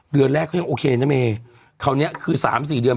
เดือนแรกเขายังโอเคนะเมย์คราวนี้คือสามสี่เดือน